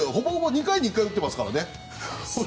ほぼ２回に１回打ってますからね。